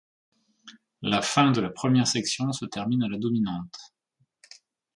La fin de la première section se termine à la dominante.